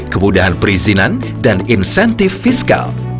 kemudahan perizinan dan insentif fiskal